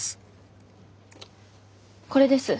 これです。